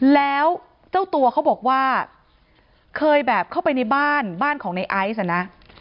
แล้วเจ้าตัวเขาบอกว่าเคยแบบเข้าไปในบ้านบ้านของในไอซ์อ่ะนะ